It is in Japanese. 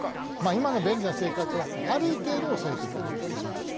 今の便利な生活はある程度抑えていかなきゃいけない。